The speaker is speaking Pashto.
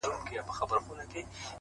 • خپل جنون رسوا کمه، ځان راته لیلا کمه ,